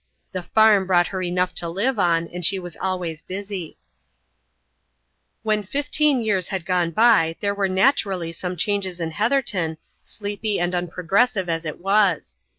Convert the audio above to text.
The farm brought her enough to live on, and she was always busy. When fifteen years had gone by there were naturally some changes in Heatherton, sleepy and; unprogressive as it was.